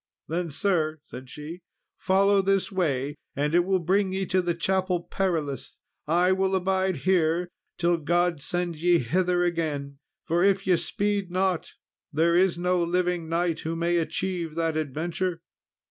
"Then, sir," said she, "follow this way, and it will bring ye to the Chapel Perilous. I will abide here till God send ye hither again; for if ye speed not, there is no living knight who may achieve that adventure."